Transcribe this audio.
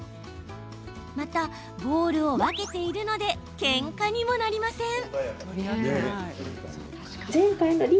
また、ボウルを分けているのでけんかにもなりません。